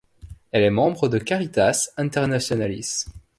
Elle est membre de Caritas Internationalis.